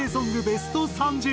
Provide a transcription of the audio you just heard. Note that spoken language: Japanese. ベスト３０。